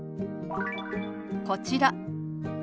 こちら。